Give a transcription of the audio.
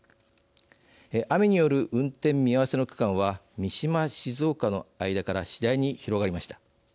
雨による運転見合わせの区間は三島−静岡の間から次第に広がりました。